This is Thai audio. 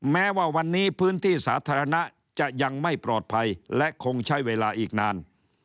แม้ว่าวันนี้พื้นที่สาธารณะจะยังไม่ปลอดภัยและคงใช้เวลาอีกนาน